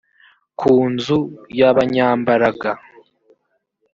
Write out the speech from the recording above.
ku nzu y abanyambaraga